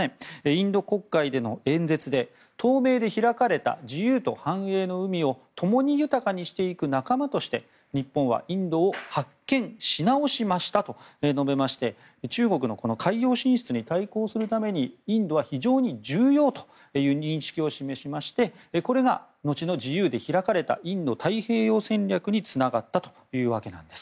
インド国会での演説で透明で開かれた自由と繁栄の海をともに豊かにしていく仲間として日本はインドを発見し直しましたと述べまして中国の海洋進出に対抗するためにインドが非常に重要という認識を示しましてこれが後の、自由で開かれたインド太平洋戦略につながったというわけなんです。